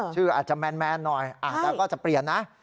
ชื่ออาจจะแมนหน่อยแต่ก็จะเปลี่ยนนะ